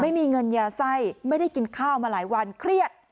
ไม่มีเงินยาไส้ไม่ได้กินข้าวมาหลายวันเครียด